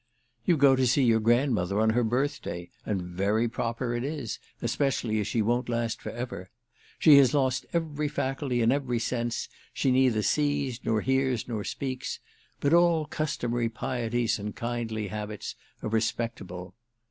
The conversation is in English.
"You go to see your grandmother on her birthday—and very proper it is, especially as she won't last for ever. She has lost every faculty and every sense; she neither sees, nor hears, nor speaks; but all customary pieties and kindly habits are respectable.